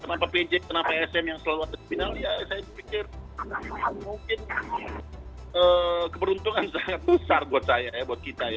kenapa pj kenapa sm yang selalu ada di final ya saya pikir mungkin keberuntungan sangat besar buat saya ya buat kita ya